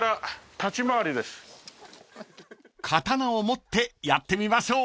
［刀を持ってやってみましょう］